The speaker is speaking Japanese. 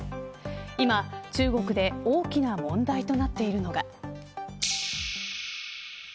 今、中国で大きな問題となっているのが。